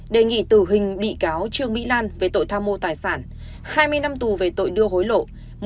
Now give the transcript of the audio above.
đề nghị tử hình bị cáo trương mỹ lan về tội tham mô tài sản hai mươi năm tù về tội đưa hối lộ